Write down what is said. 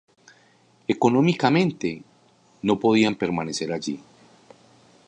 Económicamente, no podían permanecer allí.